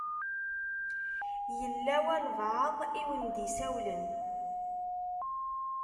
Yella walebɛaḍ i wen-d-isawlen.